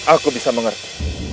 aku bisa mengerti